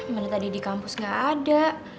mirip tadi di kampus gak ada